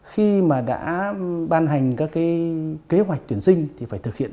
khi mà đã ban hành các cái kế hoạch tuyển sinh thì phải thực hiện